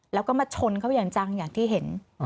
แล้วก็มาชนเขาอย่างจังอย่างที่เห็น